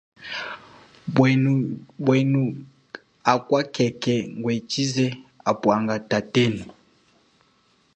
Pwenu akwa khekhe ngwe chize apwa tatenu.